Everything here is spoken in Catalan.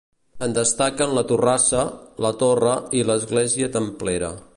En destaquen la torrassa, la torre i l'església templera.